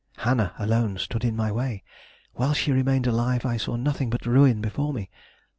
Hannah alone stood in my way. While she remained alive I saw nothing but ruin before me.